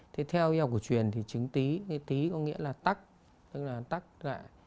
thì theo ý học của truyền thì chứng tí cái tí có nghĩa là tắc tức là tắc lại